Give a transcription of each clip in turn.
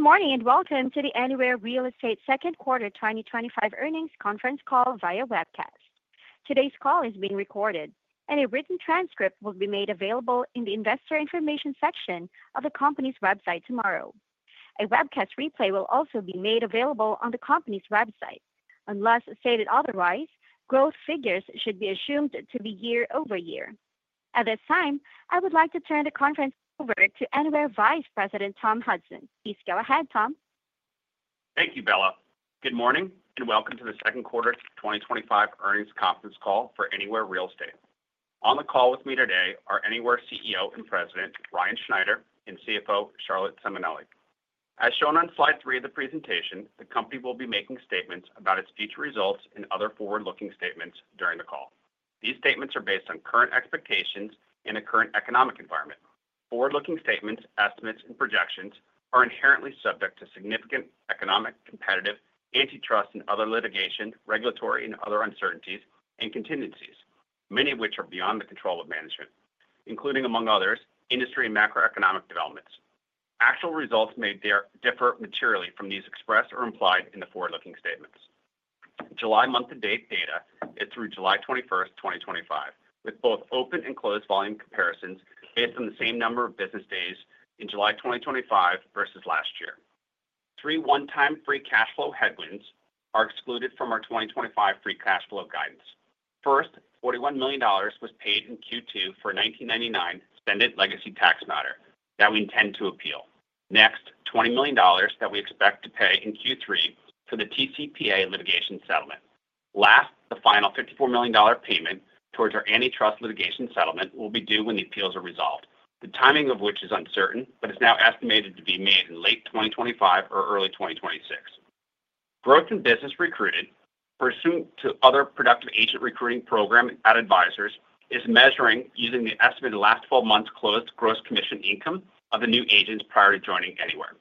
Good morning and welcome to the Anywhere Real Estate second quarter 2025 earnings conference call via webcast. Today's call is being recorded, and a written transcript will be made available in the investor information section of the company's website tomorrow. A webcast replay will also be made available on the company's website. Unless stated otherwise, growth figures should be assumed to be year-over-year. At this time, I would like to turn the conference over to Anywhere Vice President Tom Hudson. Please go ahead, Tom. Thank you, Bella. Good morning and welcome to the second quarter 2025 earnings conference call for Anywhere Real Estate. On the call with me today are Anywhere CEO and President Ryan Schneider and CFO Charlotte Simonelli. As shown on slide three of the presentation, the company will be making statements about its future results and other forward-looking statements during the call. These statements are based on current expectations and a current economic environment. forward-looking statements, estimates, and projections are inherently subject to significant economic, competitive, antitrust, and other litigation, regulatory, and other uncertainties and contingencies, many of which are beyond the control of management, including, among others, industry and macroeconomic developments. Actual results may differ materially from those expressed or implied in the forward-looking statements. July month-to-date data is through July 21, 2025, with both open and closed volume comparisons made from the same number of business days in July 2025 versus last year. Three one-time free cash flow headwinds are excluded from our 2025 free cash flow guidance. First, $41 million was paid in Q2 for a 1999 suspended legacy tax matter that we intend to appeal. Next, $20 million that we expect to pay in Q3 for the TCPA litigation settlement. Last, the final $54 million payment towards our antitrust litigation settlement will be due when the appeals are resolved, the timing of which is uncertain but is now estimated to be made in late 2025 or early 2026. Growth in business recruitment pursuant to other productive agent recruiting programs at advisors is measured using the estimated last 12 months' closed gross commission income of the new agents prior to joining Anywhere.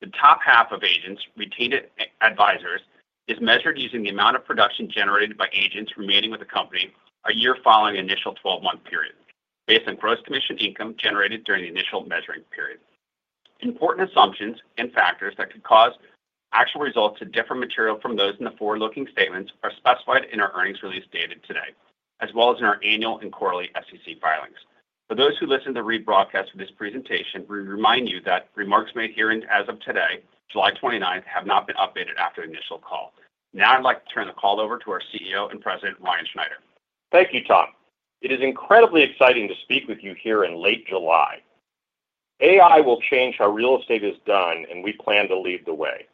The top half of agents retained at advisors is measured using the amount of production generated by agents remaining with the company a year following the initial 12-month period, based on gross commission income generated during the initial measuring period. Important assumptions and factors that could cause actual results to differ materially from those in the forward-looking statements are specified in our earnings release dated today, as well as in our annual and quarterly SEC filings. For those who listen to the rebroadcast of this presentation, we remind you that remarks made here and as of today, July 29, have not been updated after the initial call. Now I'd like to turn the call over to our CEO and President Ryan Schneider. Thank you, Tom. It is incredibly exciting to speak with you here in late July. AI will change how real estate is done, and we plan to lead the way.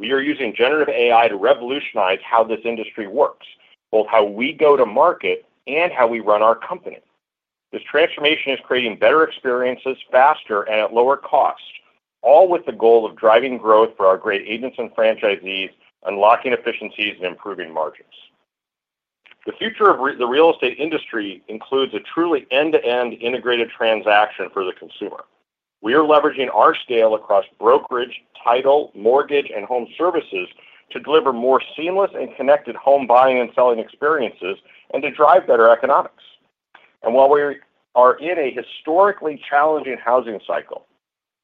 We are using generative AI to revolutionize how this industry works, both how we go to market and how we run our company. This transformation is creating better experiences, faster, and at lower cost, all with the goal of driving growth for our great agents and franchisees, unlocking efficiencies, and improving margins. The future of the real estate industry includes a truly end-to-end integrated transaction for the consumer. We are leveraging our scale across brokerage, title, mortgage, and home services to deliver more seamless and connected home buying and selling experiences and to drive better economics. While we are in a historically challenging housing cycle,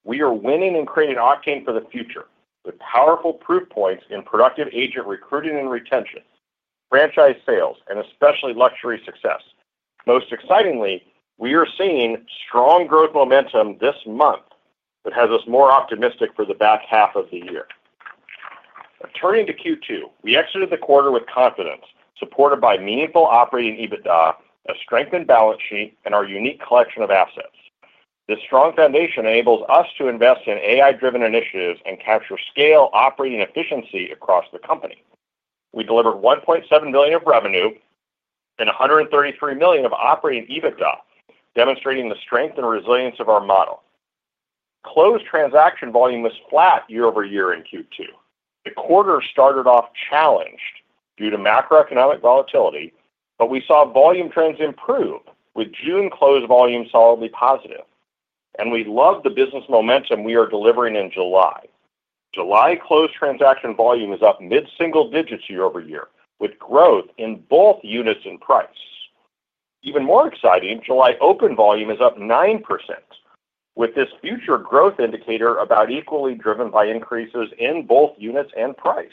we are winning and creating octane for the future with powerful proof points in productive agent recruiting and retention, franchise sales, and especially luxury success. Most excitingly, we are seeing strong growth momentum this month that has us more optimistic for the back half of the year. Turning to Q2, we exited the quarter with confidence, supported by meaningful operating EBITDA, a strengthened balance sheet, and our unique collection of assets. This strong foundation enables us to invest in AI-driven initiatives and capture scale operating efficiency across the company. We delivered $1.7 billion of revenue and $133 million of operating EBITDA, demonstrating the strength and resilience of our model. Closed transaction volume was flat year-over-year in Q2. The quarter started off challenged due to macroeconomic volatility, but we saw volume trends improve with June closed volume solidly positive. We love the business momentum we are delivering in July. July closed transaction volume is up mid-single digits year-over-year with growth in both units and price. Even more exciting, July open volume is up 9%, with this future growth indicator about equally driven by increases in both units and price.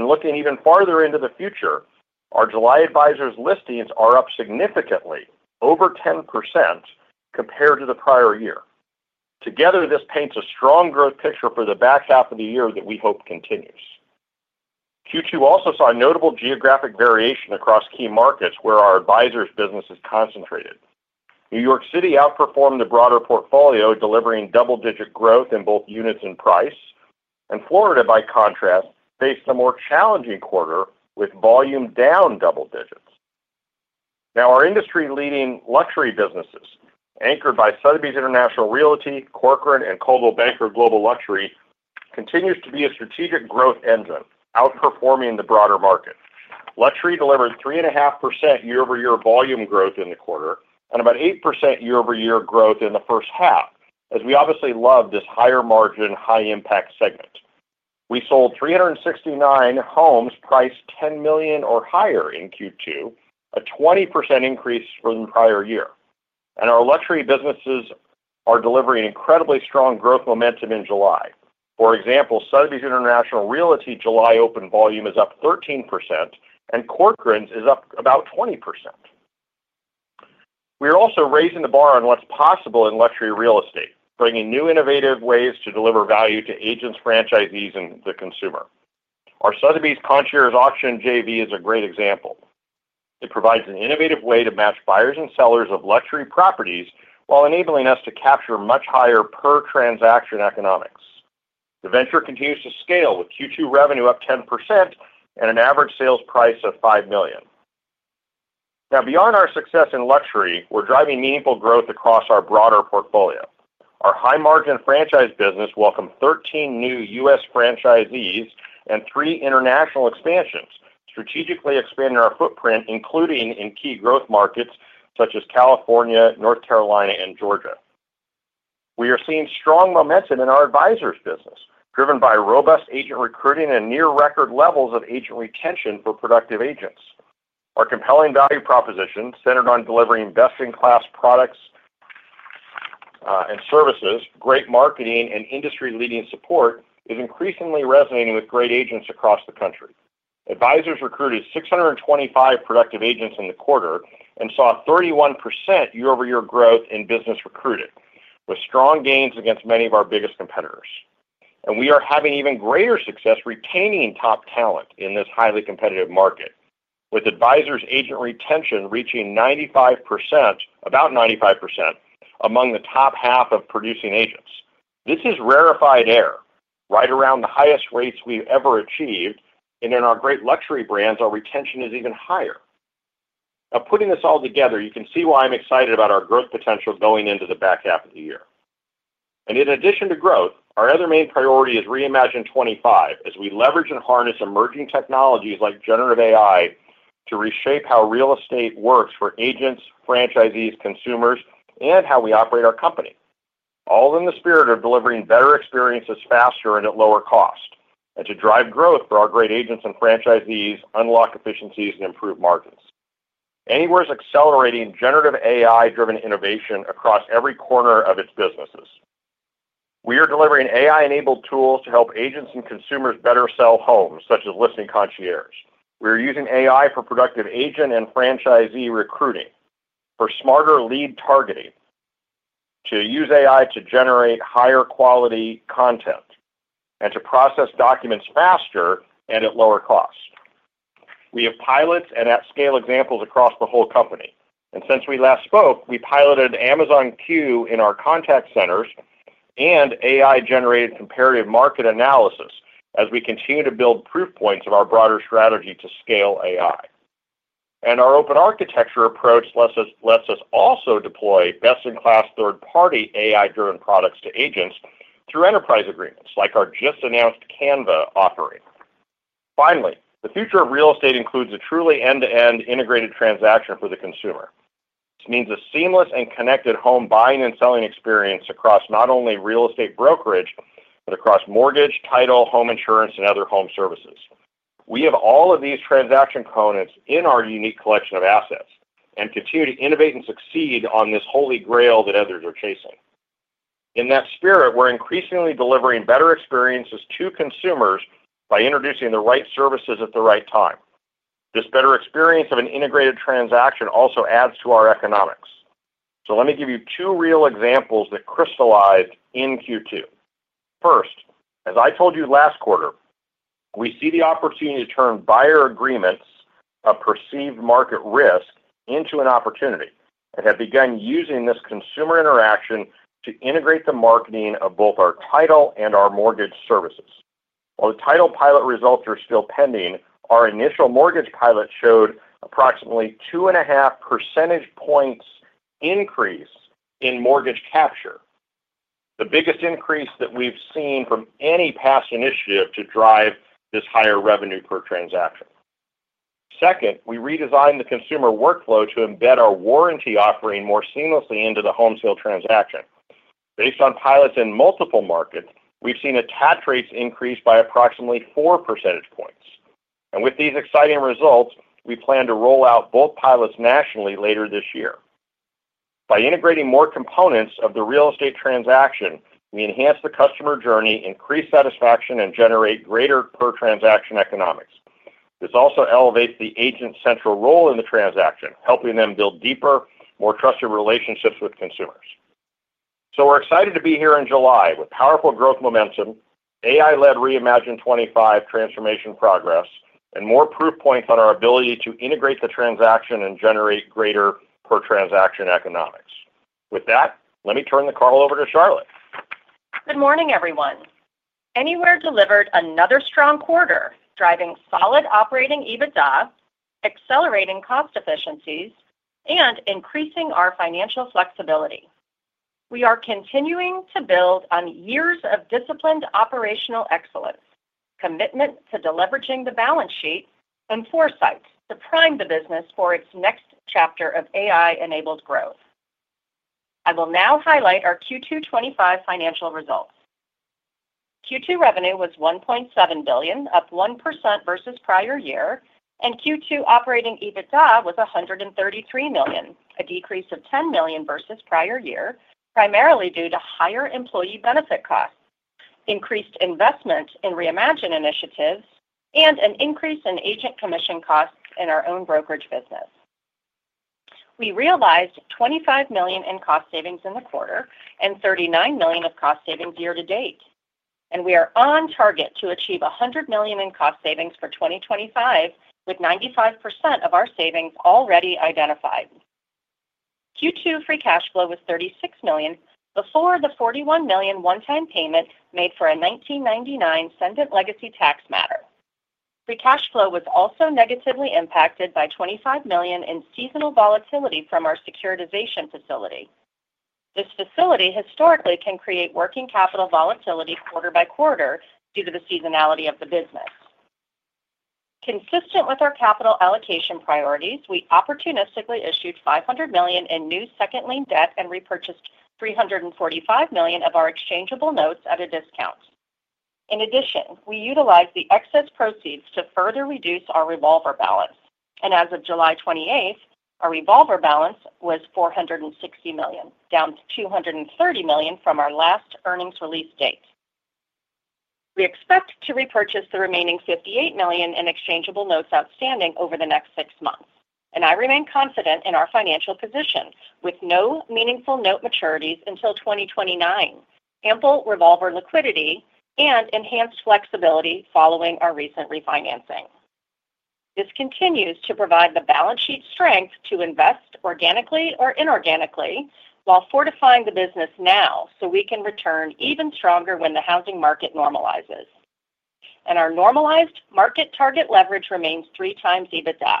Looking even farther into the future, our July advisors' listings are up significantly, over 10% compared to the prior year. Together, this paints a strong growth picture for the back half of the year that we hope continues. Q2 also saw notable geographic variation across key markets where our advisors' business is concentrated. New York City outperformed the broader portfolio, delivering double-digit growth in both units and price, and Florida, by contrast, faced a more challenging quarter with volume down double digits. Our industry-leading luxury businesses, anchored by Sotheby's International Realty, Corcoran, and Coldwell Banker Global Luxury, continue to be a strategic growth engine, outperforming the broader market. Luxury delivered 3.5% year-over-year volume growth in the quarter and about 8% year-over-year growth in the first half, as we obviously love this higher margin, high-impact segment. We sold 369 homes priced $10 million or higher in Q2, a 20% increase from the prior year. Our luxury businesses are delivering incredibly strong growth momentum in July. For example, Sotheby's International Realty's July open volume is up 13%, and Corcoran's is up about 20%. We are also raising the bar on what's possible in luxury real estate, bringing new innovative ways to deliver value to agents, franchisees, and the consumer. Our Sotheby's Concierge Auction JV is a great example. It provides an innovative way to match buyers and sellers of luxury properties while enabling us to capture much higher per transaction economics. The venture continues to scale with Q2 revenue up 10% and an average sales price of $5 million. Beyond our success in luxury, we're driving meaningful growth across our broader portfolio. Our high-margin franchise business welcomed 13 new U.S. franchisees and three international expansions, strategically expanding our footprint, including in key growth markets such as California, North Carolina, and Georgia. We are seeing strong momentum in our advisors' business, driven by robust agent recruiting and near-record levels of agent retention for productive agents. Our compelling value proposition, centered on delivering best-in-class products and services, great marketing, and industry-leading support, is increasingly resonating with great agents across the country. Advisors recruited 625 productive agents in the quarter and saw 31% year-over-year growth in business recruited, with strong gains against many of our biggest competitors. We are having even greater success retaining top talent in this highly competitive market, with advisors' agent retention reaching 95%, about 95% among the top half of producing agents. This is rarefied air, right around the highest rates we've ever achieved. In our great luxury brands, our retention is even higher. Putting this all together, you can see why I'm excited about our growth potential going into the back half of the year. In addition to growth, our other main priority is Reimagine '25, as we leverage and harness emerging technologies like generative AI to reshape how real estate works for agents, franchisees, consumers, and how we operate our company, all in the spirit of delivering better experiences faster and at lower cost, to drive growth for our great agents and franchisees, unlock efficiencies, and improve margins. Anywhere is accelerating generative AI-driven innovation across every corner of its businesses. We are delivering AI-enabled tools to help agents and consumers better sell homes, such as listing concierge. We are using AI for productive agent and franchisee recruiting, for smarter lead targeting, to use AI to generate higher quality content, and to process documents faster and at lower cost. We have pilots and at-scale examples across the whole company. Since we last spoke, we piloted Amazon Q in our contact centers and AI-generated comparative market analysis as we continue to build proof points of our broader strategy to scale AI. Our open architecture approach lets us also deploy best-in-class third-party AI-driven products to agents through enterprise agreements like our just-announced Canva offering. The future of real estate includes a truly end-to-end integrated transaction for the consumer. This means a seamless and connected home buying and selling experience across not only real estate brokerage but across mortgage, title, home insurance, and other home services. We have all of these transaction components in our unique collection of assets and continue to innovate and succeed on this holy grail that others are chasing. In that spirit, we're increasingly delivering better experiences to consumers by introducing the right services at the right time. This better experience of an integrated transaction also adds to our economics. Let me give you two real examples that crystallized in Q2. First, as I told you last quarter, we see the opportunity to turn buyer agreements, a perceived market risk, into an opportunity and have begun using this consumer interaction to integrate the marketing of both our title and our mortgage services. While the title pilot results are still pending, our initial mortgage pilot showed approximately 2.5 percentage points increase in mortgage capture, the biggest increase that we've seen from any past initiative to drive this higher revenue per transaction. Second, we redesigned the consumer workflow to embed our warranty offering more seamlessly into the home sale transaction. Based on pilots in multiple markets, we've seen attach rates increase by approximately 4 percentage points. With these exciting results, we plan to roll out both pilots nationally later this year. By integrating more components of the real estate transaction, we enhance the customer journey, increase satisfaction, and generate greater per-transaction economics. This also elevates the agent's central role in the transaction, helping them build deeper, more trusted relationships with consumers. We're excited to be here in July with powerful growth momentum, AI-led Reimagine '25 transformation progress, and more proof points on our ability to integrate the transaction and generate greater per-transaction economics. With that, let me turn the call over to Charlotte. Good morning, everyone. Anywhere delivered another strong quarter, driving solid operating EBITDA, accelerating cost efficiencies, and increasing our financial flexibility. We are continuing to build on years of disciplined operational excellence, commitment to leveraging the balance sheet, and foresight to prime the business for its next chapter of AI-enabled growth. I will now highlight our Q2 2025 financial results. Q2 revenue was $1.7 billion, up 1% versus prior year, and Q2 operating EBITDA was $133 million, a decrease of $10 million versus prior year, primarily due to higher employee benefit costs, increased investment in Reimagine initiatives, and an increase in agent commission costs in our own brokerage business. We realized $25 million in cost savings in the quarter and $39 million of cost savings year to date. We are on target to achieve $100 million in cost savings for 2025, with 95% of our savings already identified. Q2 free cash flow was $36 million before the $41 million one-time payment made for a 1999 suspended legacy tax matter. Free cash flow was also negatively impacted by $25 million in seasonal volatility from our securitization facility. This facility historically can create working capital volatility quarter by quarter due to the seasonality of the business. Consistent with our capital allocation priorities, we opportunistically issued $500 million in new second lien debt and repurchased $345 million of our exchangeable notes at a discount. In addition, we utilized the excess proceeds to further reduce our revolver balance. As of July 28, our revolver balance was $460 million, down to $230 million from our last earnings release date. We expect to repurchase the remaining $58 million in exchangeable notes outstanding over the next six months. I remain confident in our financial position, with no meaningful note maturities until 2029, ample revolver liquidity, and enhanced flexibility following our recent refinancing. This continues to provide the balance sheet strength to invest organically or inorganically while fortifying the business now so we can return even stronger when the housing market normalizes. Our normalized market target leverage remains three times EBITDA.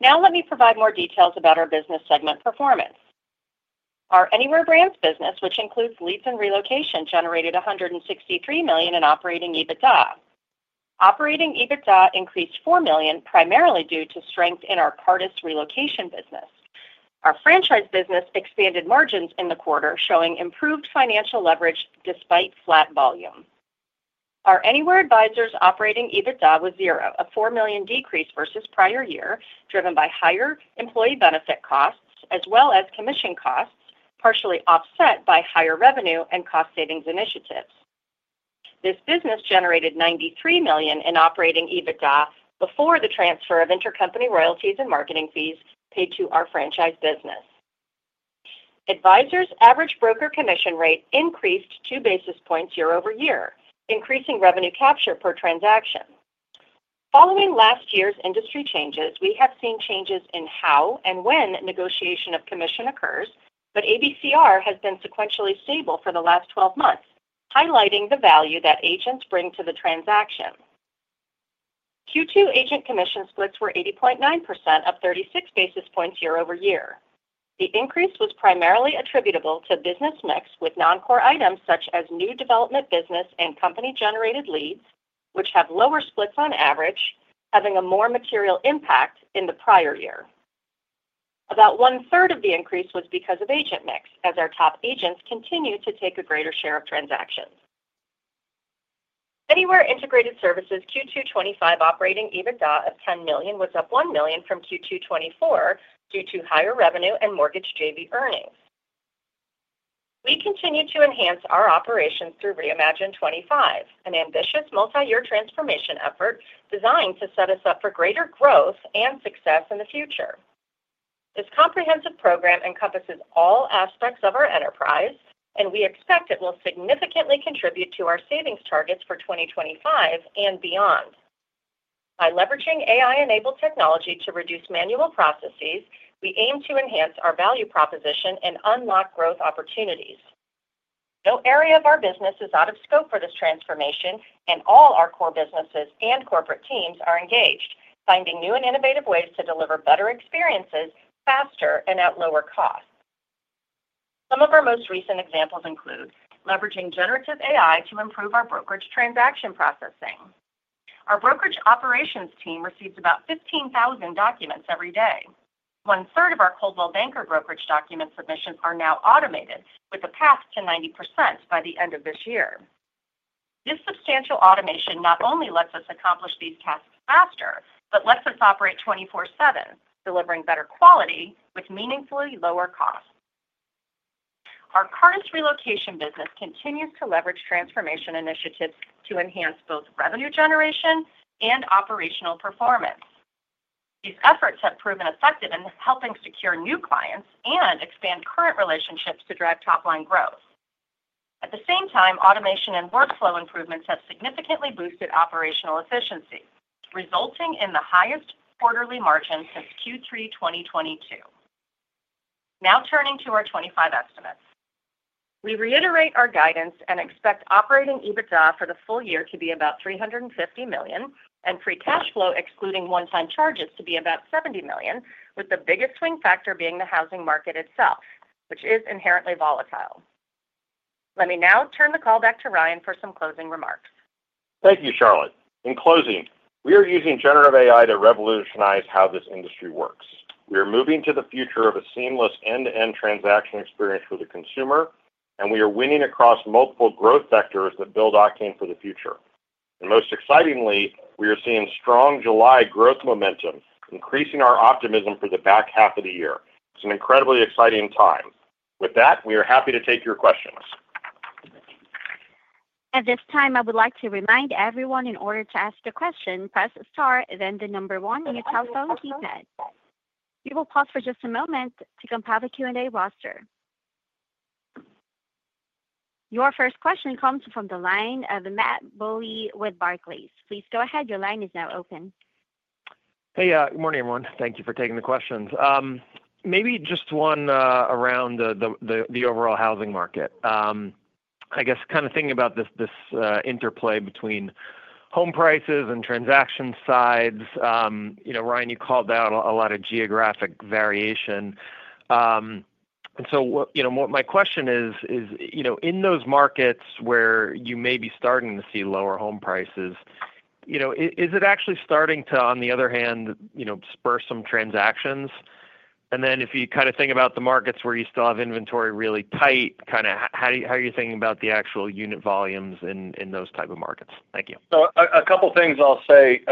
Now let me provide more details about our business segment performance. Our Anywhere Brands business, which includes lease and relocation, generated $163 million in operating EBITDA. Operating EBITDA increased $4 million primarily due to strength in our Cartus relocation business. Our franchise business expanded margins in the quarter, showing improved financial leverage despite flat volume. Our Anywhere Advisors' operating EBITDA was zero, a $4 million decrease versus prior year, driven by higher employee benefit costs, as well as commission costs, partially offset by higher revenue and cost savings initiatives. This business generated $93 million in operating EBITDA before the transfer of intercompany royalties and marketing fees paid to our franchise business. Advisors' average broker commission rate increased two basis points year-over-year, increasing revenue capture per transaction. Following last year's industry changes, we have seen changes in how and when negotiation of commission occurs, but ABCR has been sequentially stable for the last 12 months, highlighting the value that agents bring to the transaction. Q2 agent commission splits were 80.9%, up 36 basis points year-over-year. The increase was primarily attributable to business mix with non-core items such as new development business and company-generated leads, which have lower splits on average, having a more material impact in the prior year. About one-third of the increase was because of agent mix, as our top agents continue to take a greater share of transactions. Anywhere Integrated Services' Q2 2025 operating EBITDA of $10 million was up $1 million from Q2 2024 due to higher revenue and mortgage JV earnings. We continue to enhance our operations through Reimagine '25, an ambitious multi-year transformation effort designed to set us up for greater growth and success in the future. This comprehensive program encompasses all aspects of our enterprise, and we expect it will significantly contribute to our savings targets for 2025 and beyond. By leveraging AI-enabled technology to reduce manual processes, we aim to enhance our value proposition and unlock growth opportunities. No area of our business is out of scope for this transformation, and all our core businesses and corporate teams are engaged, finding new and innovative ways to deliver better experiences faster and at lower cost. Some of our most recent examples include leveraging generative AI to improve our brokerage document processing. Our brokerage operations team receives about 15,000 documents every day. One-third of our Coldwell Banker brokerage document submissions are now automated, with a path to 90% by the end of this year. This substantial automation not only lets us accomplish these tasks faster, but lets us operate 24/7, delivering better quality with meaningfully lower costs. Our Cartus relocation business continues to leverage transformation initiatives to enhance both revenue generation and operational performance. These efforts have proven effective in helping secure new clients and expand current relationships to drive top-line growth. At the same time, automation and workflow improvements have significantly boosted operational efficiency, resulting in the highest quarterly margin since Q3 2022. Now turning to our 2025 estimates, we reiterate our guidance and expect operating EBITDA for the full year to be about $350 million and free cash flow, excluding one-time charges, to be about $70 million, with the biggest swing factor being the housing market itself, which is inherently volatile. Let me now turn the call back to Ryan for some closing remarks. Thank you, Charlotte. In closing, we are using generative AI to revolutionize how this industry works. We are moving to the future of a seamless end-to-end transaction experience for the consumer, and we are winning across multiple growth sectors that build octane for the future. Most excitingly, we are seeing strong July growth momentum, increasing our optimism for the back half of the year. It's an incredibly exciting time. With that, we are happy to take your questions. At this time, I would like to remind everyone, in order to ask a question, press star, then the number one on your telephone keypad. We will pause for just a moment to compile the Q&A roster. Your first question comes from the line of Matt Bouley with Barclays. Please go ahead. Your line is now open. Hey, good morning, everyone. Thank you for taking the questions. Maybe just one around the overall housing market. I guess kind of thinking about this interplay between home prices and transaction sides, you know, Ryan, you called out a lot of geographic variation. My question is, in those markets where you may be starting to see lower home prices, is it actually starting to, on the other hand, spur some transactions? If you kind of think about the markets where you still have inventory really tight, how are you thinking about the actual unit volumes in those types of markets? Thank you. A couple of things I'll say,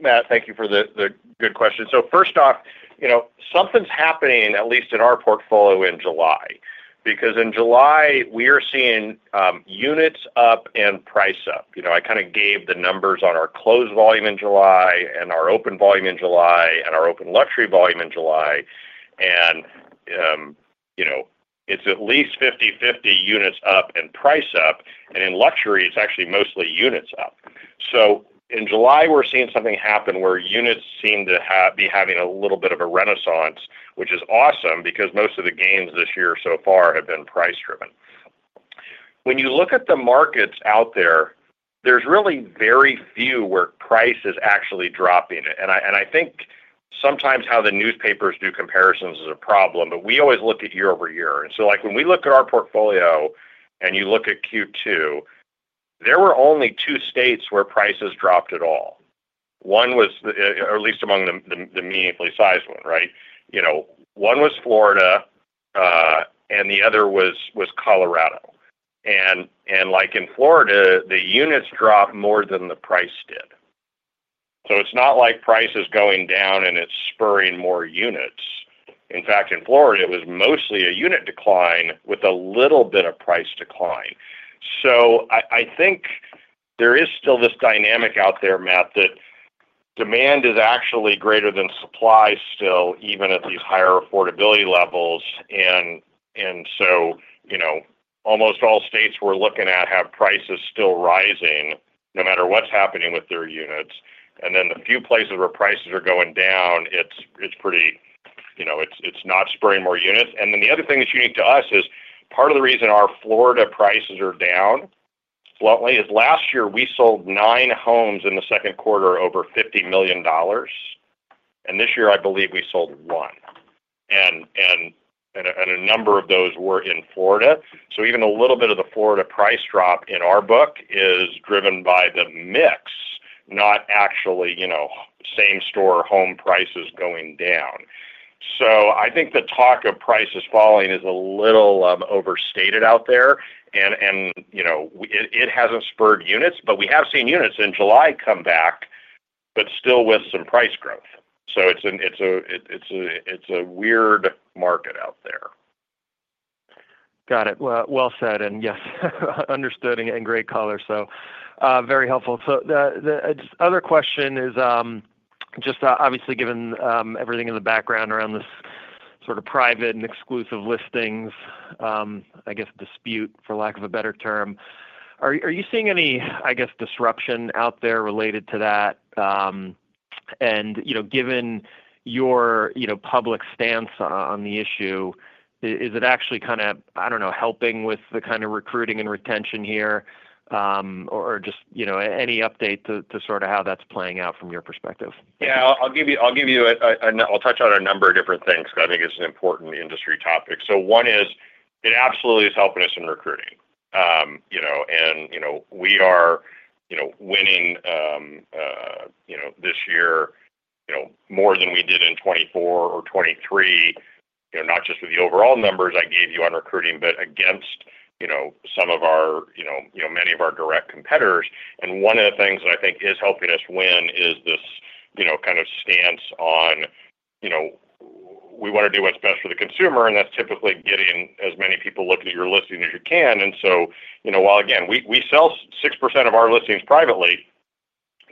Matt, thank you for the good question. First off, you know, something's happening, at least in our portfolio in July, because in July, we are seeing units up and price up. I kind of gave the numbers on our closed volume in July and our open volume in July and our open luxury volume in July. It's at least 50/50 units up and price up. In luxury, it's actually mostly units up. In July, we're seeing something happen where units seem to be having a little bit of a renaissance, which is awesome because most of the gains this year so far have been price-driven. When you look at the markets out there, there's really very few where price is actually dropping. I think sometimes how the newspapers do comparisons is a problem, but we always look at year over year. When we look at our portfolio and you look at Q2, there were only two states where prices dropped at all. One was, or at least among the meaningfully sized ones, right? One was Florida, and the other was Colorado. In Florida, the units dropped more than the price did. It's not like price is going down and it's spurring more units. In fact, in Florida, it was mostly a unit decline with a little bit of price decline. I think there is still this dynamic out there, Matt, that demand is actually greater than supply still, even at these higher affordability levels. Almost all states we're looking at have prices still rising no matter what's happening with their units. In the few places where prices are going down, it's not spurring more units. The other thing that's unique to us is part of the reason our Florida prices are down, bluntly, is last year we sold nine homes in the second quarter over $50 million. This year, I believe we sold one. A number of those were in Florida. Even a little bit of the Florida price drop in our book is driven by the mix, not actually same-store home prices going down. I think the talk of prices falling is a little overstated out there. It hasn't spurred units, but we have seen units in July come back, but still with some price growth. It's a weird market out there. Got it. Yes, understood and great caller. Very helpful. The other question is, just obviously given everything in the background around this sort of private and exclusive listings, I guess dispute, for lack of a better term, are you seeing any, I guess, disruption out there related to that? Given your public stance on the issue, is it actually kind of, I don't know, helping with the kind of recruiting and retention here? Or just any update to sort of how that's playing out from your perspective? I'll touch on a number of different things because I think it's an important industry topic. One is it absolutely is helping us in recruiting. We are winning this year more than we did in 2024 or 2023, not just with the overall numbers I gave you on recruiting, but against many of our direct competitors. One of the things that I think is helping us win is this kind of stance on we want to do what's best for the consumer, and that's typically getting as many people looking at your listing as you can. While we sell 6% of our listings privately,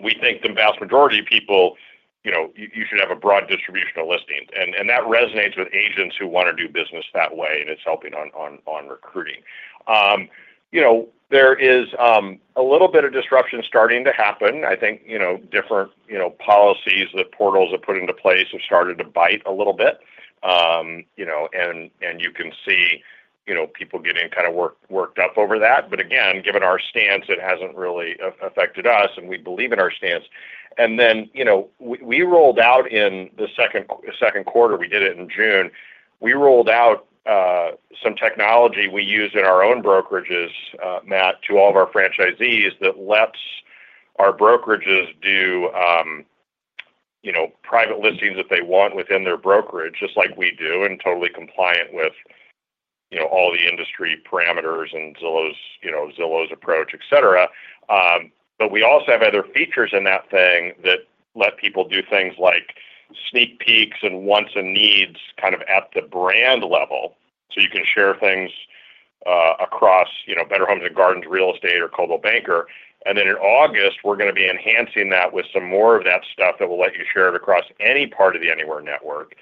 we think the vast majority of people should have a broad distribution of listings. That resonates with agents who want to do business that way, and it's helping on recruiting. There is a little bit of disruption starting to happen. I think different policies that portals have put into place have started to bite a little bit. You can see people getting kind of worked up over that. Given our stance, it hasn't really affected us, and we believe in our stance. We rolled out in the second quarter, in June, some technology we use in our own brokerages, Matt, to all of our franchisees that lets our brokerages do private listings that they want within their brokerage, just like we do, and totally compliant with all the industry parameters and Zillow's approach, et cetera. We also have other features in that thing that let people do things like sneak peeks and wants and needs kind of at the brand level. You can share things across Better Homes and Gardens Real Estate or Coldwell Banker. In August, we're going to be enhancing that with some more of that stuff that will let you share it across any part of the Anywhere network.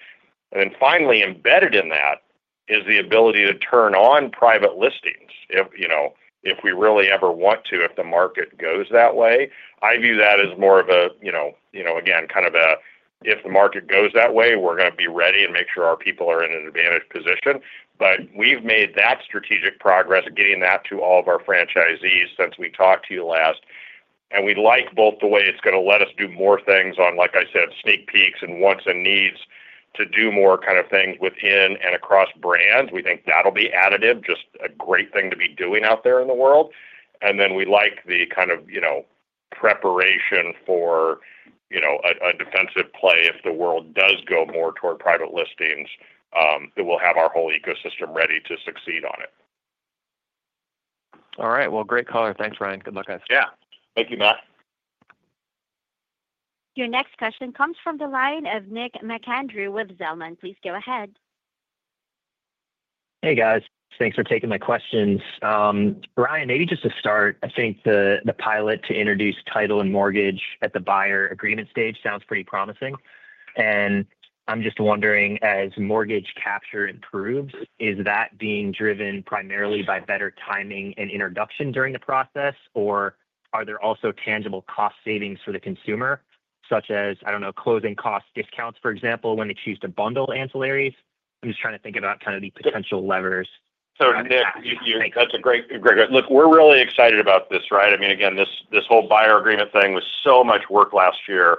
Finally, embedded in that is the ability to turn on private listings if we really ever want to, if the market goes that way. I view that as more of a, if the market goes that way, we're going to be ready and make sure our people are in an advantaged position. We have made that strategic progress getting that to all of our franchisees since we talked to you last. We like both the way it's going to let us do more things on, like I said, sneak peeks and wants and needs to do more kind of things within and across brands. We think that'll be additive, just a great thing to be doing out there in the world. We like the kind of preparation for, you know, a defensive play if the world does go more toward private listing policies that will have our whole ecosystem ready to succeed on it. All right. Great call. Thanks, Ryan. Good luck, guys. Thank you, Matt. Your next question comes from the line of Nick McAndrew with Zelman. Please go ahead. Hey, guys. Thanks for taking my questions. Ryan, maybe just to start, I think the pilot to introduce title and mortgage at the buyer agreement stage sounds pretty promising. I'm just wondering, as mortgage capture improves, is that being driven primarily by better timing and introduction during the process, or are there also tangible cost savings for the consumer, such as, I don't know, closing cost discounts, for example, when they choose to bundle ancillaries? I'm just trying to think about kind of the potential levers. Nick, that's a great, great question. Look, we're really excited about this, right? I mean, again, this whole buyer agreement thing was so much work last year,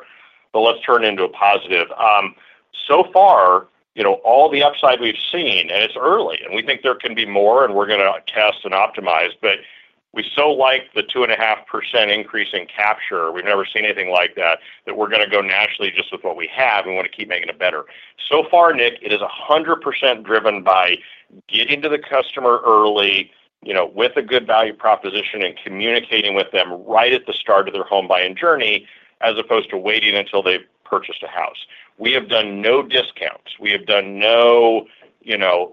but let's turn it into a positive. So far, all the upside we've seen, and it's early, and we think there can be more, and we're going to test and optimize, but we so like the 2.5% increase in capture. We've never seen anything like that, that we're going to go naturally just with what we have and want to keep making it better. So far, Nick, it is 100% driven by getting to the customer early, with a good value proposition and communicating with them right at the start of their home buying journey, as opposed to waiting until they've purchased a house. We have done no discounts. We have done no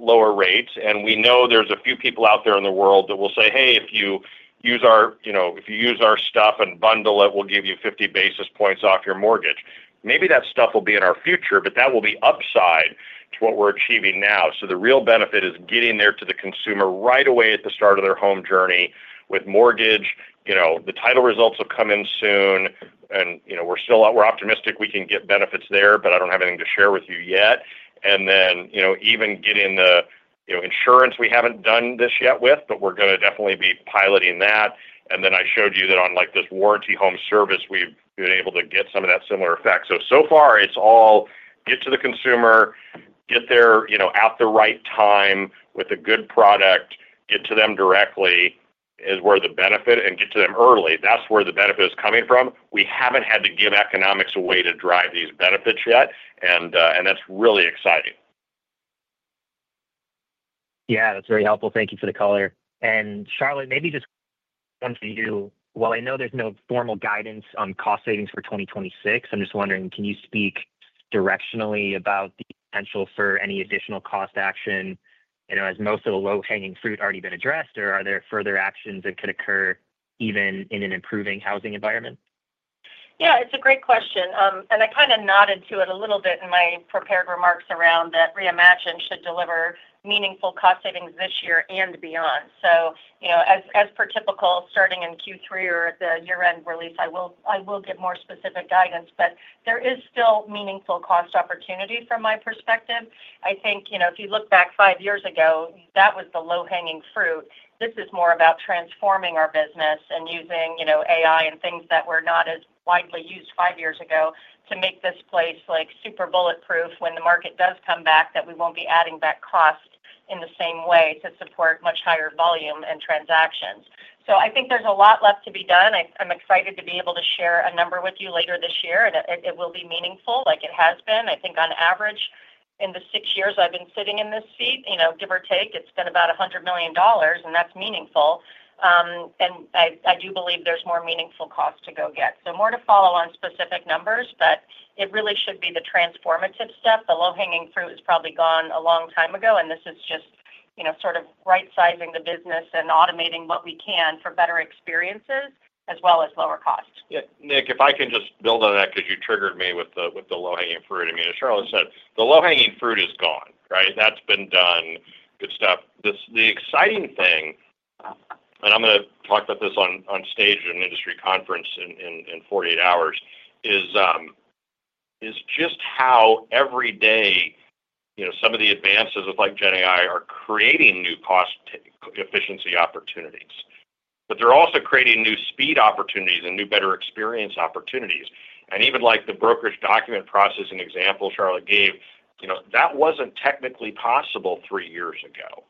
lower rates. We know there's a few people out there in the world that will say, "Hey, if you use our, you know, if you use our stuff and bundle it, we'll give you 50 basis points off your mortgage." Maybe that stuff will be in our future, but that will be upside to what we're achieving now. The real benefit is getting there to the consumer right away at the start of their home journey with mortgage. The title results will come in soon, and we're still, we're optimistic we can get benefits there, but I don't have anything to share with you yet. Even getting the insurance, we haven't done this yet with, but we're going to definitely be piloting that. I showed you that on this warranty home service, we've been able to get some of that similar effect. So far, it's all get to the consumer, get there at the right time with a good product, get to them directly is where the benefit is, and get to them early. That's where the benefit is coming from. We haven't had to give economics away to drive these benefits yet, and that's really exciting. Yeah, that's very helpful. Thank you for the color. Charlotte, maybe just come to you. While I know there's no formal guidance on cost savings for 2026, I'm just wondering, can you speak directionally about the potential for any additional cost action? Has most of the low-hanging fruit already been addressed, or are there further actions that could occur even in an improving housing environment? Yeah, it's a great question. I kind of nodded to it a little bit in my prepared remarks around that Reimagine should deliver meaningful cost savings this year and beyond. As per typical, starting in Q3 or at the year-end release, I will give more specific guidance. There is still meaningful cost opportunity from my perspective. If you look back five years ago, that was the low-hanging fruit. This is more about transforming our business and using AI and things that were not as widely used five years ago to make this place like super bulletproof when the market does come back, that we won't be adding back cost in the same way to support much higher volume and transactions. I think there's a lot left to be done. I'm excited to be able to share a number with you later this year. It will be meaningful like it has been. I think on average, in the six years I've been sitting in this seat, give or take, it's been about $100 million, and that's meaningful. I do believe there's more meaningful cost to go get. More to follow on specific numbers, but it really should be the transformative step. The low-hanging fruit is probably gone a long time ago, and this is just sort of right-sizing the business and automating what we can for better experiences as well as lower cost. Yeah, Nick, if I can just build on that because you triggered me with the low-hanging fruit. I mean, as Charlotte said, the low-hanging fruit is gone, right? That's been done. Good stuff. The exciting thing, and I'm going to talk about this on stage at an industry conference in 48 hours, is just how every day some of the advances of like Gen AI are creating new cost efficiency opportunities. They're also creating new speed opportunities and new better experience opportunities. Even like the brokerage document processing example Charlotte gave, that wasn't technically possible three years ago.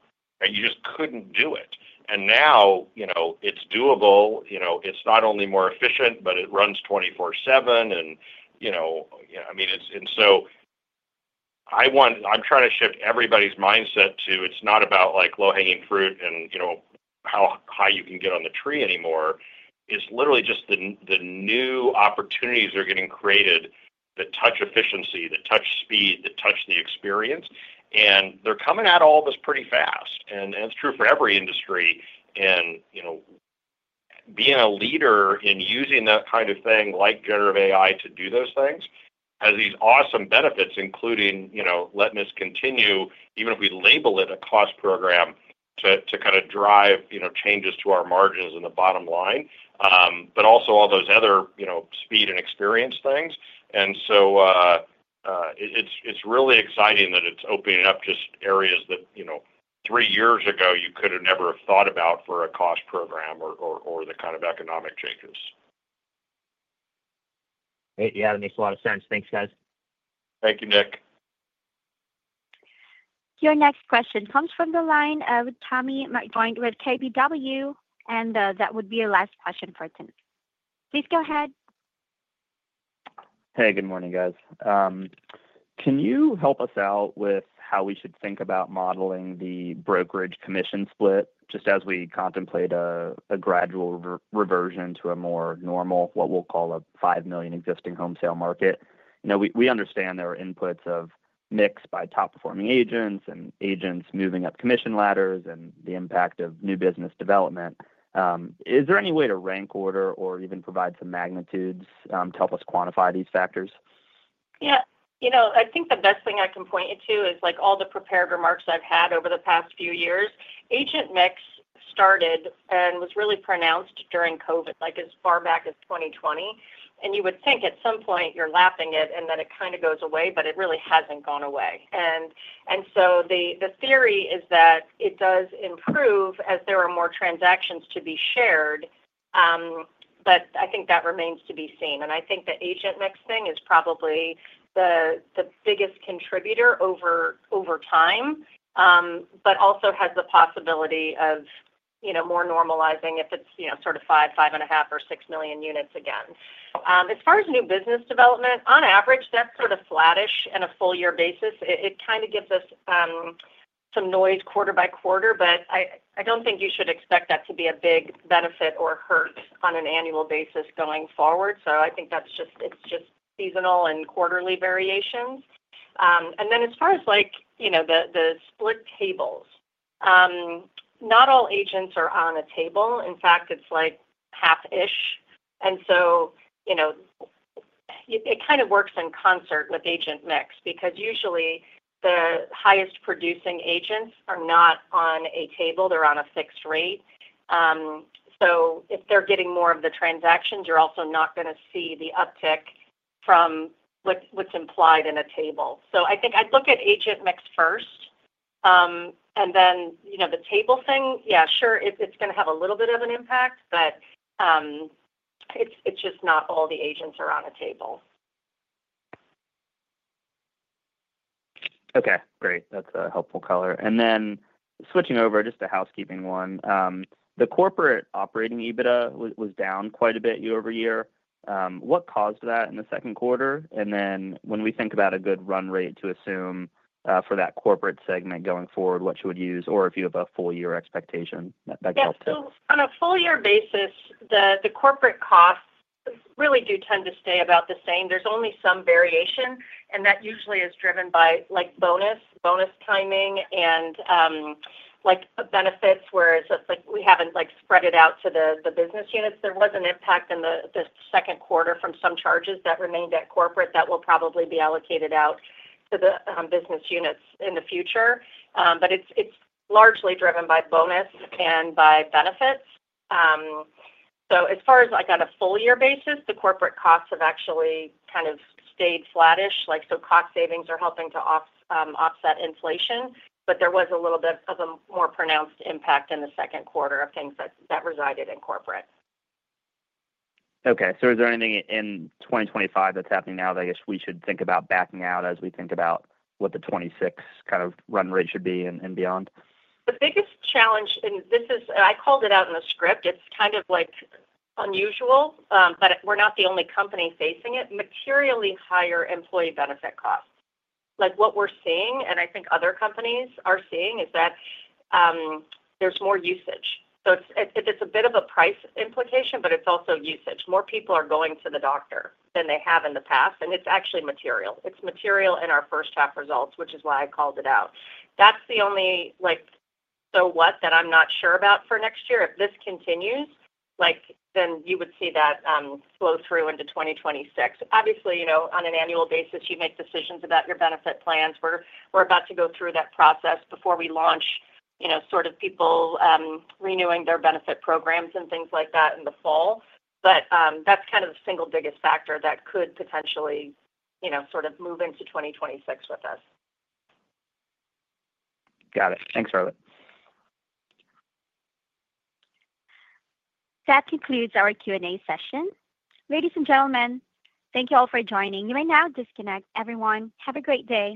You just couldn't do it. Now it's doable. It's not only more efficient, but it runs 24/7. I'm trying to shift everybody's mindset to it's not about like low-hanging fruit and how high you can get on the tree anymore. It's literally just the new opportunities that are getting created that touch efficiency, that touch speed, that touch the experience. They're coming at all of us pretty fast. It's true for every industry. Being a leader in using that kind of thing like generative AI to do those things has these awesome benefits, including letting us continue, even if we label it a cost program, to kind of drive changes to our margins and the bottom line, but also all those other speed and experience things. It's really exciting that it's opening up just areas that three years ago you could have never thought about for a cost program or the kind of economic changes. Yeah, that makes a lot of sense. Thanks, guys. Thank you, Nick. Your next question comes from the line of Tommy McJoynt with KBW, and that would be your last question for tonight. Please go ahead. Hey, good morning, guys. Can you help us out with how we should think about modeling the brokerage commission split just as we contemplate a gradual reversion to a more normal, what we'll call a $5 million existing home sale market? We understand there are inputs of mix by top-performing agents and agents moving up commission ladders and the impact of new business development. Is there any way to rank order or even provide some magnitudes to help us quantify these factors? Yeah, I think the best thing I can point you to is all the prepared remarks I've had over the past few years. Agent mix started and was really pronounced during COVID, as far back as 2020. You would think at some point you're lapping it and that it kind of goes away, but it really hasn't gone away. The theory is that it does improve as there are more transactions to be shared. I think that remains to be seen. I think the agent mix thing is probably the biggest contributor over time, but also has the possibility of more normalizing if it's sort of five, five and a half, or six million units again. As far as new business development, on average, that's sort of flattish on a full-year basis. It gives us some noise quarter by quarter, but I don't think you should expect that to be a big benefit or hurt on an annual basis going forward. I think that's just seasonal and quarterly variations. As far as the split tables, not all agents are on a table. In fact, it's like half-ish. It kind of works in concert with agent mix because usually the highest producing agents are not on a table. They're on a fixed rate. If they're getting more of the transactions, you're also not going to see the uptick from what's implied in a table. I think I'd look at agent mix first. The table thing, yeah, sure, it's going to have a little bit of an impact, but it's just not all the agents are on a table. Okay, great. That's a helpful caller. Switching over just to housekeeping, the corporate operating EBITDA was down quite a bit year over year. What caused that in the second quarter? When we think about a good run rate to assume for that corporate segment going forward, what would you use, or if you have a full-year expectation, that could help too. On a full-year basis, the corporate costs really do tend to stay about the same. There's only some variation, and that usually is driven by bonus timing and benefits, whereas we haven't spread it out to the business units. There was an impact in the second quarter from some charges that remained at corporate that will probably be allocated out to the business units in the future. It's largely driven by bonus and by benefits. As far as on a full-year basis, the corporate costs have actually kind of stayed flattish. Cost savings are helping to offset inflation, but there was a little bit of a more pronounced impact in the second quarter of things that resided in corporate. Is there anything in 2025 that's happening now that I guess we should think about backing out as we think about what the 2026 kind of run rate should be and beyond? The biggest challenge, and I called it out in the script, it's kind of unusual, but we're not the only company facing it, is materially higher employee benefit costs. What we're seeing, and I think other companies are seeing, is that there's more usage. It's a bit of a price implication, but it's also usage. More people are going to the doctor than they have in the past, and it's actually material. It's material in our first half results, which is why I called it out. That's the only, so what, that I'm not sure about for next year. If this continues, you would see that flow through into 2026. Obviously, on an annual basis, you make decisions about your benefit plans. We're about to go through that process before we launch people renewing their benefit programs and things like that in the fall. That's the single biggest factor that could potentially move into 2026 with us. Got it. Thanks, Charlotte. That concludes our Q&A session. Ladies and gentlemen, thank you all for joining. You may now disconnect, everyone. Have a great day.